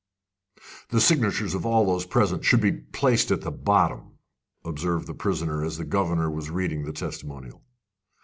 "The signatures of all those present should be placed at the bottom," observed the prisoner, as the governor was reading the "testimonial."